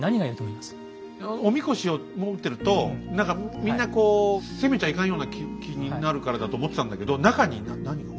お神輿を持ってると何かみんなこう攻めちゃいかんような気になるからだと思ってたんだけど中に何が？